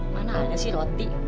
mana ada sih roti